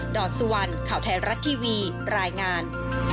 อนสุวรรณข่าวไทยรัฐทีวีรายงาน